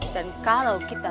dan kalau kita